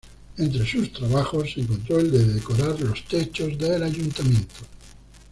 Entre sus trabajos se encontró el de decorar los techos del ayuntamiento.